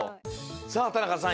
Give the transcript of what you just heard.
さあ田中さん